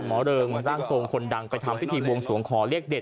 หมอเริงร่างสงศ์คนดังไปทำพิธีวงศ์สวงขอเรียกเด็ด